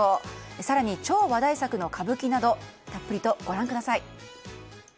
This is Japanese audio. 更に、超話題作の歌舞伎などたっぷりとご覧ください。